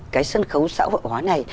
cái sân khấu xã hội hóa này